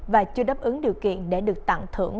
và chưa đáp ứng điều kiện để được tặng thưởng